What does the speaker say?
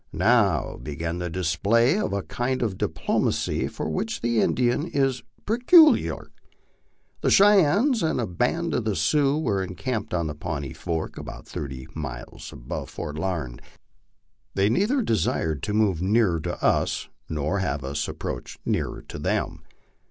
Now began the display of a kind of diplomacy for which the Indian is peculiar. The Cheyennes and a band of the Sioux were encamped on Pawnee Fork, about thirty miles above Fort Larned. They neilher desired to move nearer to us nor have us approach nearer to them.